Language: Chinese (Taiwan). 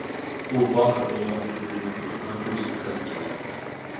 故光合作用速率與溫度成正比